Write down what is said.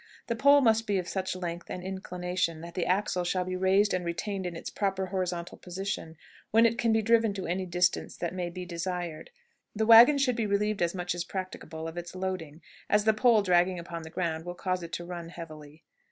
The pole must be of such length and inclination that the axle shall be raised and retained in its proper horizontal position, when it can be driven to any distance that may be desired. The wagon should be relieved as much as practicable of its loading, as the pole dragging upon the ground will cause it to run heavily.